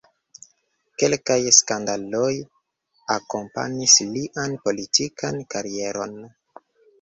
Kelkaj skandaloj akompanis lian politikan karieron.